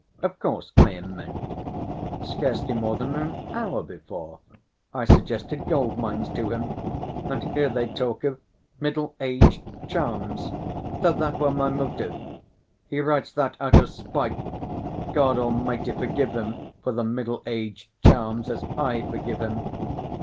"Of course I am meant. Scarcely more than an hour before, I suggested gold mines to him, and here they talk of 'middle‐aged charms' as though that were my motive! He writes that out of spite! God Almighty forgive him for the middle‐aged charms, as I forgive him!